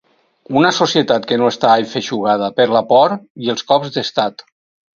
Una societat que no està afeixugada per la por i els cops d’estat.